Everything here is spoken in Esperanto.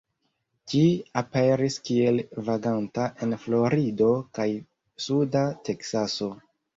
Ĝi aperis kiel vaganta en Florido kaj suda Teksaso.